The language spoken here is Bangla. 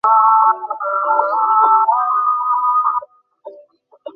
মতির হালকা অপরিণত দেহটাকে কুসুম হিংসা করে।